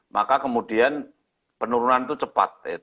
maka kemudian penurunan itu cepat